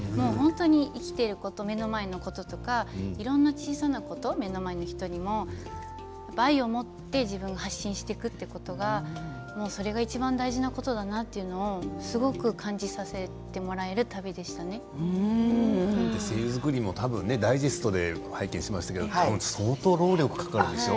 生きていること目の前のこととかいろんな小さなこと目の前の人にも愛を持って自分が発信していくということがそれがいちばん大事なことだなというのをすごく感じさせてもらえ精油作りもダイジェストで拝見しましたけど相当労力かかるでしょう？